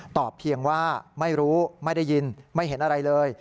เพียงว่าไม่รู้ไม่ได้ยินไม่เห็นอะไรเลย